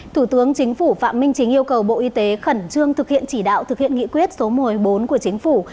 thủ tướng chính phủ phạm minh chính yêu cầu bộ y tế khẩn trương thực hiện chỉ đạo thực hiện nghị quyết số một mươi bốn của chính phủ